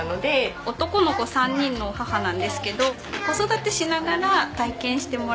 男の子３人の母なんですけど子育てしながら体験してもらうって